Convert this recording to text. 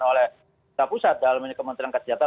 oleh kementerian kesehatan